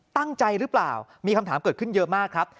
ตั้งใจหรือเปล่ามีคำถามเกิดขึ้นเยอะมากครับ